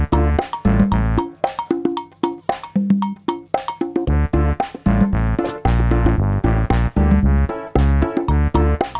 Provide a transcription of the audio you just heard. harapan kalian juga